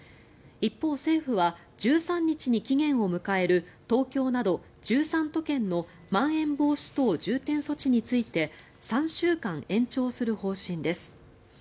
一方、政府は１３日に期限を迎える東京など１３都県のまん延防止等重点措置について３週間延長する方針です。